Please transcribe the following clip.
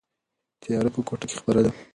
تیاره په کوټه کې خپره ده.